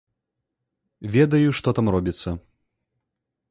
Ведаю, што там робіцца.